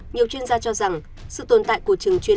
nhiều chuyên gia cho rằng sự tồn tại của trường chuyên